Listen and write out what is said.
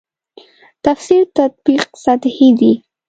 تفسیر تطبیق سطحې دي.